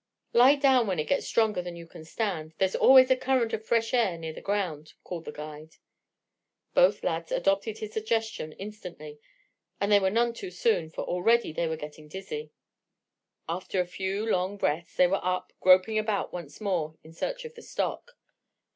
"Lie down when it gets stronger than you can stand. There's always a current of fresh air near the ground," called the guide. Both lads adopted his suggestion instantly, and they were none too soon, for already they were getting dizzy. After a few long breaths, they were up, groping about once more in search of the stock.